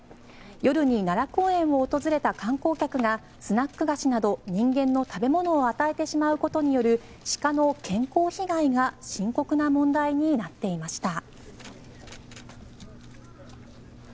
夜に奈良公園を訪れた観光客がスナック菓子など人間の食べ物を与えてしまうことによる鹿の健康被害が深刻な問題になっていました。